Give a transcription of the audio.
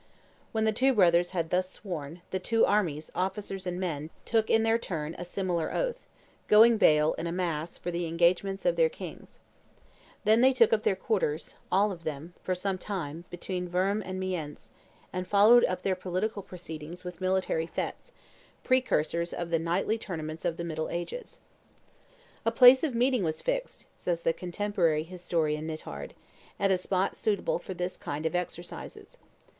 When the two brothers had thus sworn, the two armies, officers and men, took, in their turn, a similar oath, going bail, in a mass, for the engagements of their kings. Then they took up their quarters, all of them, for some time, between Worms and Mayence, and followed up their political proceeding with military fetes, precursors of the knightly tournaments of the middle ages. "A place of meeting was fixed," says the contemporary historian Nithard, "at a spot suitable for this kind of exercises.